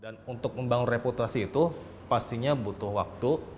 dan untuk membangun reputasi itu pastinya butuh waktu